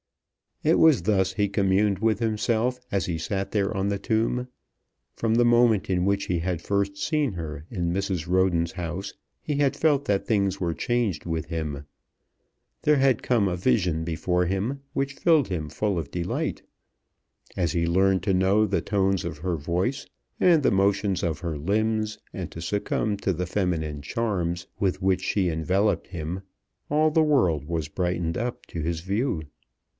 It was thus he communed with himself as he sat there on the tomb. From the moment in which he had first seen her in Mrs. Roden's house he had felt that things were changed with him. There had come a vision before him which filled him full of delight. As he learned to know the tones of her voice, and the motion of her limbs, and to succumb to the feminine charms with which she enveloped him, all the world was brightened up to his view.